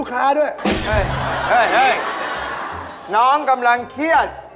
ให้แค่นี้